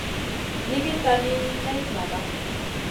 Nʼiigui tani ney ɓaga.